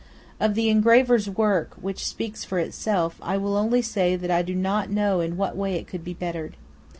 Of the engraver's work – which speaks for itself – I will only say that I do not know in what way it could be bettered.